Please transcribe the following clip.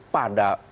pada pendukung utama